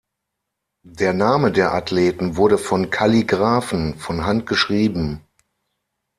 Der Name der Athleten wurde von Kalligraphen von Hand geschrieben.